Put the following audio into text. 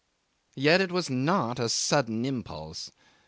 'Yet it was not a sudden impulse.